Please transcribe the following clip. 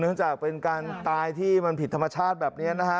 จากเป็นการตายที่มันผิดธรรมชาติแบบนี้นะฮะ